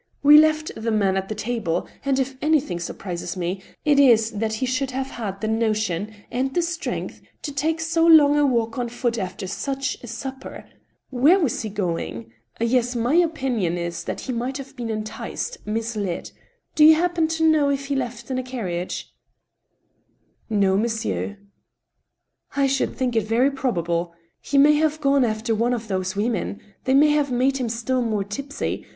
We left the man at the table, and if anjrthing surprises me it is that he should have had the notion, and the strength, to take so long a walk on foot after such a supper. Where was he goiJig ? A DISAGREEABLE VISITOR. $3 Yes, Tny opinion is he may have been enticed, misled. ... Do you happen to know if he left in a carriage ?"" No, moiisieur." " I should think it very probable. He may have gone after one of those women. They may have made him still more tipsy.